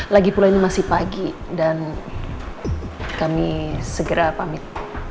lagi pula ini masih pagi dan kami segera pamit